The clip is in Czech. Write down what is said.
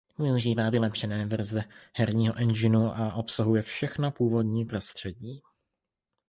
Využívá vylepšené verze herního enginu z a obsahuje všechna původní prostředí.